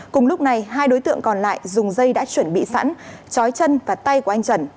cùng lúc này hai đối tượng còn lại dùng dây đã chuẩn bị sẵn chói chân và tay của anh trần